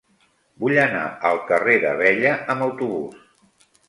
Vull anar al carrer d'Abella amb autobús.